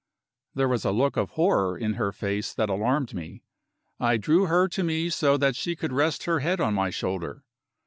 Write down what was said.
There was a look of horror in her face that alarmed me. I drew her to me so that she could rest her head on my shoulder.